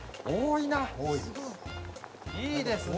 いいですね。